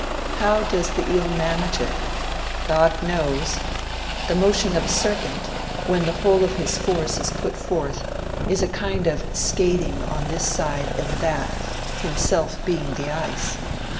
How does the eel manage it? God knows! The motion of a serpent, when the whole of his force is put forth, is a kind of skating on this side and that, himself being the ice.